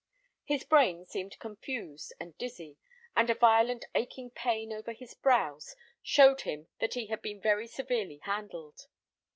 His brain seemed confused and dizzy, and a violent aching pain over his brows showed him that he had been very severely handled.